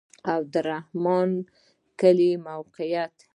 د عبدالرحمن کلی موقعیت